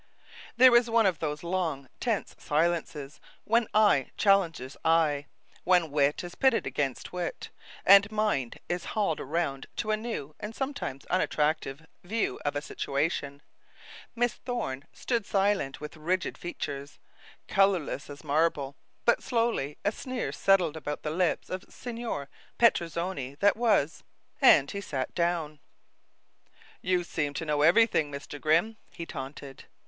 There was one of those long tense silences when eye challenges eye, when wit is pitted against wit, and mind is hauled around to a new, and sometimes unattractive, view of a situation. Miss Thorne stood silent with rigid features, colorless as marble; but slowly a sneer settled about the lips of Signor Petrozinni that was, and he sat down. [Illustration: A long tense silence when eye challenges eye.] "You seem to know everything, Mr. Grimm," he taunted.